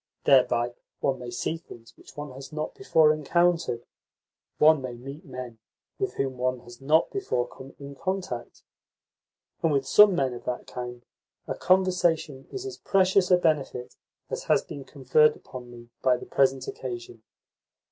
Thereby one may see things which one has not before encountered, one may meet men with whom one has not before come in contact. And with some men of that kind a conversation is as precious a benefit as has been conferred upon me by the present occasion.